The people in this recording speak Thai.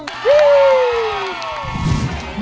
วู้